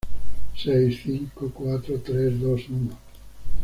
Seis, cinco, cuatro, tres, dos, uno